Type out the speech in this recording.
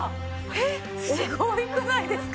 えっすごくないですか？